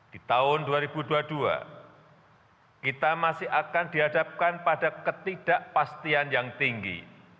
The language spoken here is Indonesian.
di tahun dua ribu dua puluh dua kita masih akan dihadapkan pada ketidakpastian yang tinggi